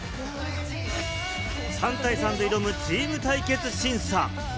３対３で挑むチーム対決審査。